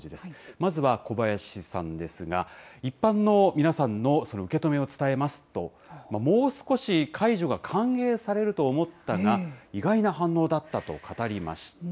まずは小林さんですが、一般の皆さんの受け止めを伝えますと、もう少し解除が歓迎されると思ったが、意外な反応だったと語りました。